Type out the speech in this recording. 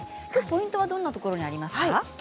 ポイントはどんなところにありますか。